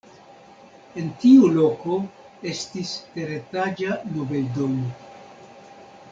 En tiu loko estis teretaĝa nobeldomo.